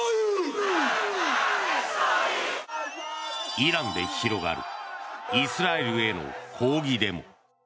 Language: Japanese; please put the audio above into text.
イランで広がるイスラエルへの抗議デモ。